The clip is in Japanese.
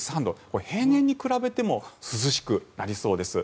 平年に比べても涼しくなりそうです。